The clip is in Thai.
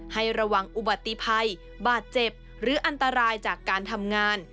ให้ระวังอุบัติภัยบาดเจ็บหรืออันตรายจากการทำงาน